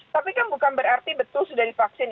tapi kan bukan berarti betul sudah divaksin